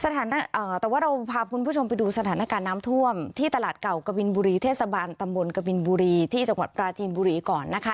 แต่ว่าเราพาคุณผู้ชมไปดูสถานการณ์น้ำท่วมที่ตลาดเก่ากวินบุรีเทศบาลตำบลกบินบุรีที่จังหวัดปราจีนบุรีก่อนนะคะ